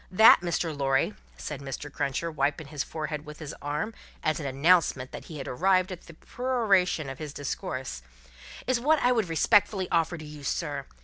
That, Mr. Lorry," said Mr. Cruncher, wiping his forehead with his arm, as an announcement that he had arrived at the peroration of his discourse, "is wot I would respectfully offer to you, sir.